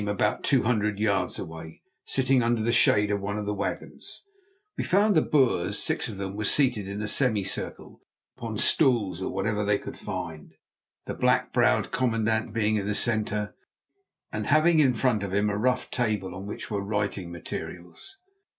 About two hundred yards away, sitting under the shade of one of the wagons, we found the Boers. Six of them were seated in a semicircle upon stools or whatever they could find, the black browed commandant being in the centre and having in front of him a rough table on which were writing materials.